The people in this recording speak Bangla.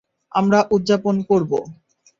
আমরা উদযাপন করব।